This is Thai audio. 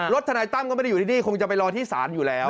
ทนายตั้มก็ไม่ได้อยู่ที่นี่คงจะไปรอที่ศาลอยู่แล้ว